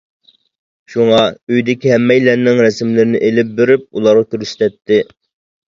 شۇڭا ئۆيدىكى ھەممەيلەننىڭ رەسىملىرىنى ئېلىپ بېرىپ ئۇلارغا كۆرسىتەتتى.